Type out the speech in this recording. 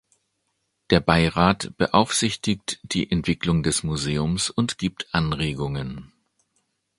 Der Beirat beaufsichtigt die Entwicklung des Museums und gibt Anregungen.